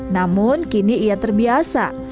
namun kini ia terbiasa